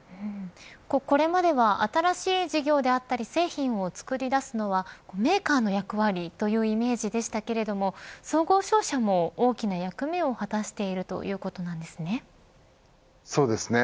これまでは新しい事業であったり製品を作り出すのはメーカーの役割というイメージでしたけれども総合商社も大きなは役目を果たしているそうですね。